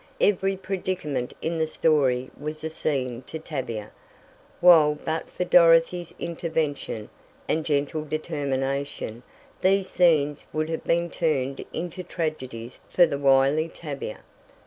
Every predicament in the story was a "scene" to Tavia, while but for Dorothy's intervention, and gentle determination, these scenes would have been turned into tragedies for the wily Tavia.